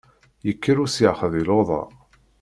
Yekker usyax di luḍa!